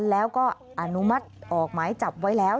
แล้วก็อนุมัติออกหมายจับไว้แล้ว